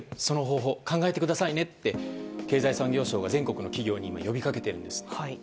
その方法、考えてくださいねって経済産業省が全国の企業に呼び掛けています。